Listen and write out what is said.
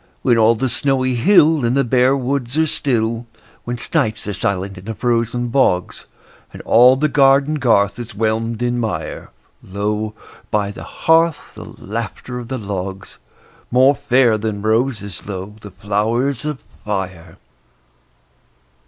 When all the snowy hill And the bare woods are still; When snipes are silent in the frozen bogs, And all the garden garth is whelmed in mire, Lo, by the hearth, the laughter of the logs— More fair than roses, lo, the flowers of fire!